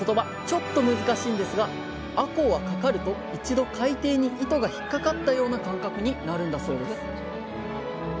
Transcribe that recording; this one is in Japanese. ちょっと難しいんですがあこうは掛かると一度海底に糸が引っかかったような感覚になるんだそうです